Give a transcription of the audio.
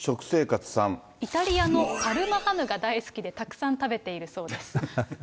イタリアのパルマハムが大好きで、たくさん食べているそうです。